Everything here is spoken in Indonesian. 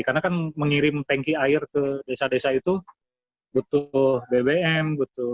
karena kan mengirim tanki air ke desa desa itu butuh bbm